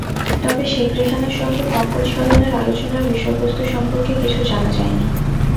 তবে শেখ রেহানার সঙ্গে পঙ্কজ সরনের আলোচনার বিষয়বস্তুু সম্পর্কে কিছু জানা যায়নি।